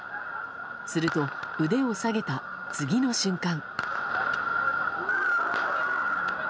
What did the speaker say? すると腕を下げた次の瞬間。